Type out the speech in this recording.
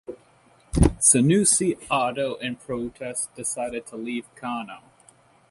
Sanusi Ado in protest decided to leave Kano.